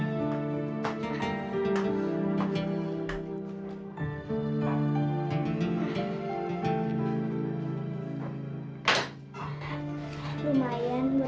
dia yang dapat hasilnya